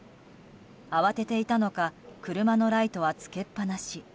慌てていたのか車のライトはつけっぱなし。